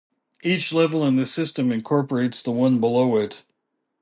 Each level in the system incorporates the one below it.